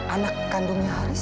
anak kandungnya haris